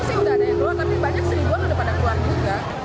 tapi banyak rp satu yang sudah pada keluar juga